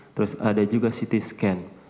terus ada juga ct scan